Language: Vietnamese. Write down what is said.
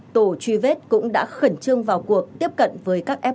tổ truy vết cũng đã khẩn trương vào cuộc tiếp cận với các em